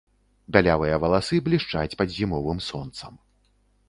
Бялявыя валасы блішчаць пад зімовым сонцам.